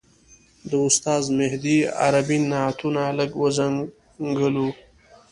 د استاد مهدي عربي نعتونو لږ وځنګولو.